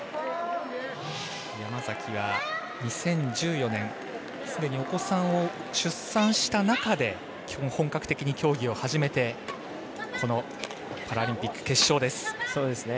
山崎は、２０１４年すでにお子さんを出産した中で本格的に競技を始めてこのパラリンピック決勝です。